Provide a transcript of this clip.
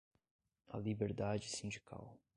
a liberdade sindical